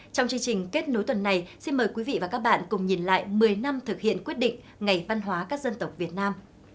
trong chương trình kết nối tuần này xin mời quý vị và các bạn cùng nhìn lại một mươi năm thực hiện quyết định ngày văn hóa các dân tộc việt nam